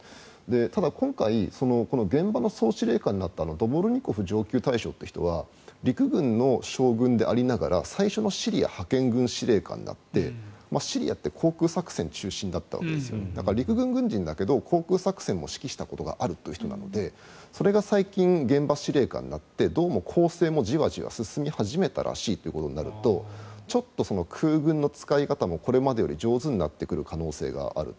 ただ、今回現場の総司令官になったドボルニコフ上級大将という人は陸軍の将軍でありながら最初のシリア派遣軍司令官であってシリアって航空作戦が中心だから陸軍軍人だけれども航空作戦も指揮したことがあるという人なのでそれが最近、現場司令官になって攻勢もじわじわ進み始めたらしいということになるとちょっと空軍の使い方もこれまでより上手になってくる可能性がある。